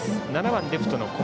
７番レフトの駒壽。